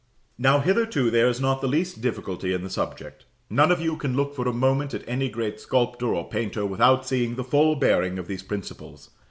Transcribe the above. Now hitherto there is not the least difficulty in the subject; none of you can look for a moment at any great sculptor or painter without seeing the full bearing of these principles.